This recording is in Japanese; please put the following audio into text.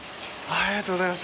ありがとうございます。